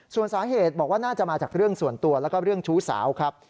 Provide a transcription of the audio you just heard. ส่วนสาเหตุบอกว่าน่าจะมาจากเรื่องส่วนตัวแล้วก็เรื่องชู้สาวครับ